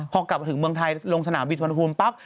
พอกลับมาถึงเมืองไทยลงสนามบินสุวรรณภูมิปั๊บ